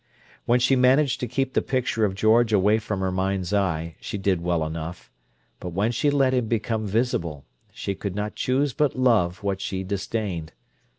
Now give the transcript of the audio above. When she managed to keep the picture of George away from her mind's eye, she did well enough; but when she let him become visible, she could not choose but love what she disdained.